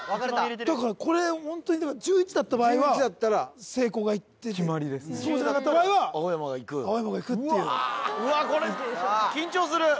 だからこれホントに１１だった場合は聖光がいって決まりですそうじゃなかった場合は青山がいくっていうこれ緊張する！